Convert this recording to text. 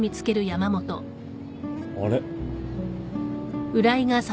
あれ？